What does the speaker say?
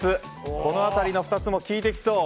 この辺りの２つも効いてきそう。